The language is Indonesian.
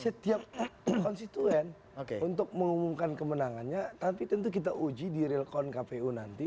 setiap konstituen untuk mengumumkan kemenangannya tapi tentu kita uji di real count kpu nanti